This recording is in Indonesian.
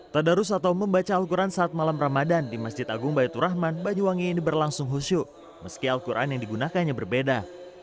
tadarus atau membaca al quran saat malam ramadan di masjid agung bayatur rahman banyuwangi ini berlangsung khusyuk meski al quran yang digunakannya berbeda